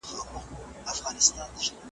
نوم یې ولي لا اشرف المخلوقات دی؟ .